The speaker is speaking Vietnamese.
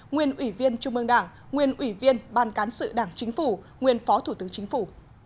nguyên ủy viên trung ương đảng nguyên ủy viên ban cán sự đảng chính phủ nguyên phó thủ tướng chính phủ